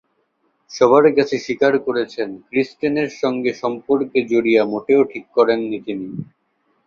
সবার কাছে স্বীকার করেছেন, ক্রিস্টেনের সঙ্গে সম্পর্কে জড়িয়ে মোটেও ঠিক করেননি তিনি।